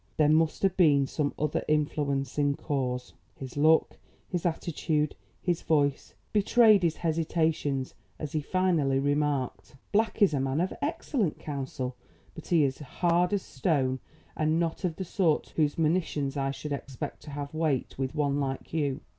There must have been some other influencing cause. His look, his attitude, his voice, betrayed his hesitations, as he finally remarked: "Black is a man of excellent counsel, but he is hard as a stone and not of the sort whose monitions I should expect to have weight with one like you.